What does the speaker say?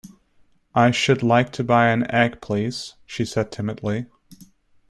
‘I should like to buy an egg, please,’ she said timidly.